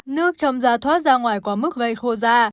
nước trong da thoát ra ngoài có mức gây khô da